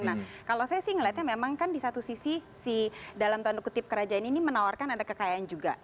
nah kalau saya sih ngeliatnya memang kan di satu sisi si dalam tanda kutip kerajaan ini menawarkan ada kekayaan juga